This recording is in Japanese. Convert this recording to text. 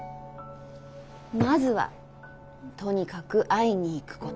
まずはとにかく会いに行くこと。